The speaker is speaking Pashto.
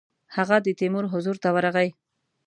هغه د تیمور حضور ته ورغی.